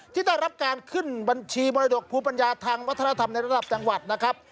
ที่ได้รับการขึ้นบัญชีมรดกภูมิปัญญาทางวัฒนธรรมในระดับจังหวัดนะครับ